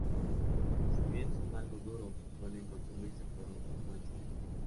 Si bien son algo duros, suelen consumirse por su buen sabor.